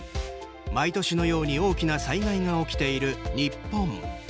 毎年のように大きな災害が起きている日本。